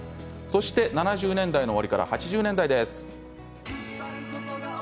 ７０年代の終わりから８０年代です。